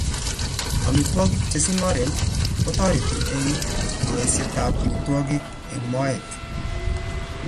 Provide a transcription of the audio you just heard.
Amitwogik che singoren kotoreti eng ngoisetab amitwogik eng moet